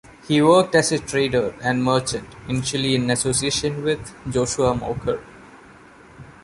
He worked as a trader and merchant, initially in association with Joshua Maugher.